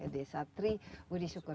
desa tri budi syukur